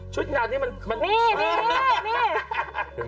ชุดไอ้นาวนี่มันนี่